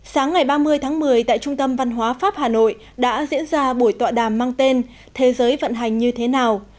sáng ngày ba mươi tháng một mươi tại trung tâm văn hóa pháp hà nội đã diễn ra buổi tọa đàm mang tên thế giới vận hành như thế nào